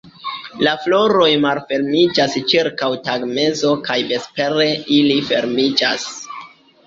La floroj malfermiĝas ĉirkaŭ tagmezo kaj vespere ili fermiĝas.